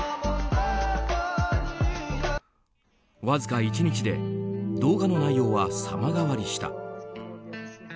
わずか１日で動画の内容は様変わりした。